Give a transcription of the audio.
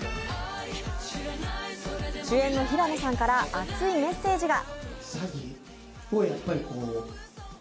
主演の平野さんから熱いメッセージが。